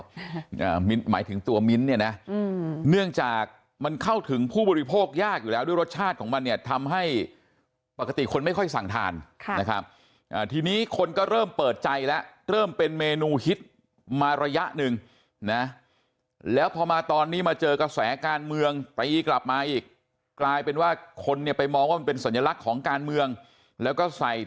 อ่ามิ้นหมายถึงตัวมิ้นท์เนี่ยนะอืมเนื่องจากมันเข้าถึงผู้บริโภคยากอยู่แล้วด้วยรสชาติของมันเนี่ยทำให้ปกติคนไม่ค่อยสั่งทานค่ะนะครับอ่าทีนี้คนก็เริ่มเปิดใจแล้วเริ่มเป็นเมนูฮิตมาระยะหนึ่งนะแล้วพอมาตอนนี้มาเจอกระแสการเมืองตีกลับมาอีกกลายเป็นว่าคนเนี่ยไปมองว่ามันเป็นสัญลักษณ์ของการเมืองแล้วก็ใส่